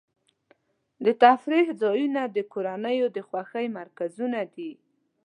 د تفریح ځایونه د کورنیو د خوښۍ مرکزونه دي.